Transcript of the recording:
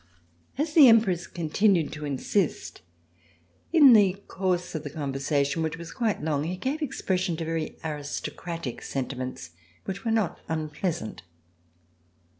As the Empress continued to insist, in the course of the conversation, which was quite long, he gave expression to very aristocratic sentiments which were not unpleasant.